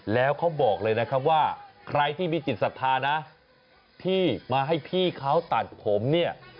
แล้วเขาบอกเลยนะครับว่าใครที่มีจิตศรัทธานะที่มาให้พี่เขาตัดผมเนี่ย